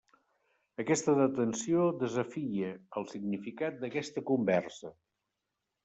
Aquesta detenció desafia el significat d’aquesta conversa.